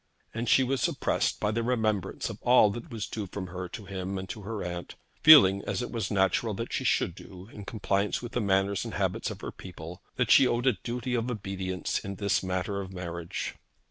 And she was oppressed by the remembrance of all that was due from her to him and to her aunt, feeling, as it was natural that she should do, in compliance with the manners and habits of her people, that she owed a duty of obedience in this matter of marriage.